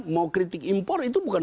mau kritik impor itu bukan